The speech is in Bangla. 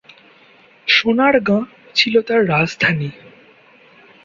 সোনারগাঁ ছিল তার রাজধানী।